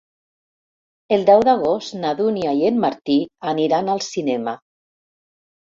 El deu d'agost na Dúnia i en Martí aniran al cinema.